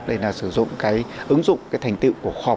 đây là sử dụng cái ứng dụng cái thành tiệu của kho